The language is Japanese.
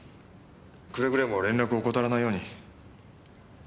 くれぐれも連絡を怠らないように。